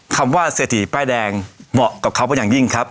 คำว่าเศรษฐีป้ายแดงเหมาะกับเขาเป็นอย่างยิ่งครับ